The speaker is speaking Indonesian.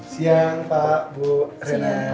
siang pak bu rena